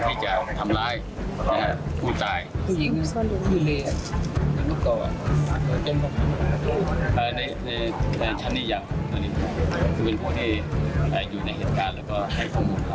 ที่จะทำร้ายผู้ตาย